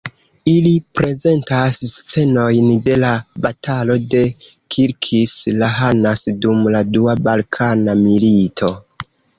Ili prezentas scenojn de la Batalo de Kilkis-Lahanas dum la Dua Balkana Milito.